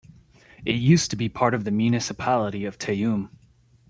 It used to be part of the Municipality of Tayum.